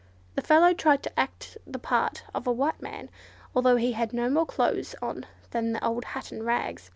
The fellow tried to act the part of a white man, although he had no more clothes on than the old hat and rags.